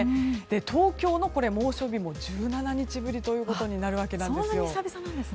東京の猛暑日も１７日ぶりとなるわけですよ。